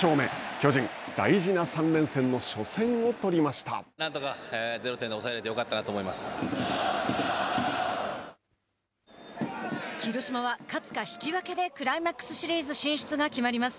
巨人、大事な３連戦のなんとか０点に抑えられて広島は勝つか引き分けでクライマックスシリーズ進出が決まります。